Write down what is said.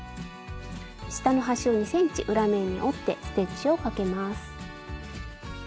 下の端を２ｃｍ裏面に折ってステッチをかけます。